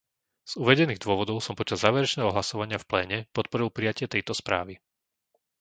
Z uvedených dôvodov som počas záverečného hlasovania v pléne podporil prijatie tejto správy.